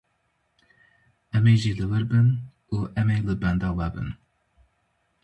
Em ê jî li wir bin û em ê li benda we bin